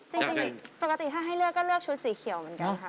จริงปกติถ้าให้เลือกก็เลือกชุดสีเขียวเหมือนกันค่ะ